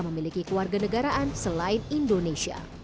memiliki kewarganegaraan selain indonesia